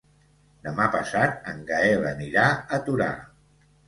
Demà passat en Gaël anirà a Torà.